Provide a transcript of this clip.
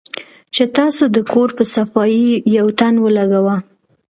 چې تاسو د کور پۀ صفائي يو تن ولګوۀ